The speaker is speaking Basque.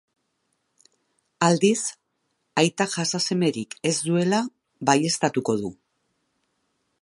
Aldiz, aitak jasa semerik ez duela baieztatuko du.